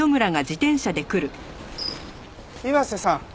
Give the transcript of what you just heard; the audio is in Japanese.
岩瀬さん